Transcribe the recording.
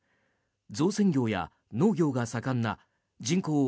造船業や農業が盛んな人口